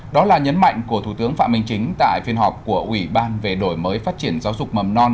đó là nhấn mạnh của thủ tướng phạm minh chính tại phiên họp của ủy ban về đổi mới phát triển giáo dục mầm non